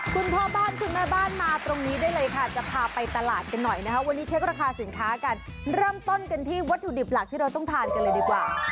คุณพ่อบ้านคุณแม่บ้านมาตรงนี้ได้เลยค่ะจะพาไปตลาดกันหน่อยนะคะวันนี้เช็คราคาสินค้ากันเริ่มต้นกันที่วัตถุดิบหลักที่เราต้องทานกันเลยดีกว่า